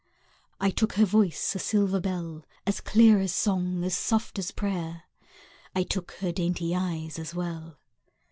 I took her voice, a silver bell, As clear as song, as soft as prayer; I took her dainty eyes as well.